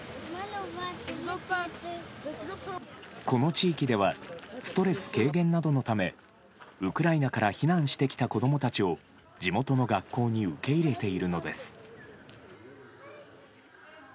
この地域ではストレス軽減などのためウクライナから避難してきた子供たちを地元の学校に受け入れているのです。